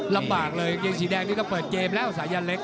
ลำบากเลยกางเกงสีแดงนี่ก็เปิดเกมแล้วสายันเล็ก